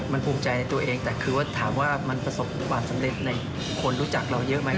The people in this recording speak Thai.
มันภูมิใจในตัวเองแต่คือว่าถามว่ามันประสบความสำเร็จในคนรู้จักเราเยอะไหม